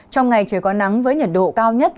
trong ngày trời có nắng với nhiệt độ cao nhất